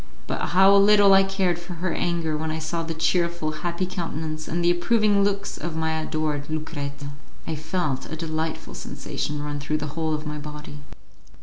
But how little I cared for her anger when I saw the cheerful, happy countenance, and the approving looks of my adored Lucrezia! I felt a delightful sensation run through the whole of my body.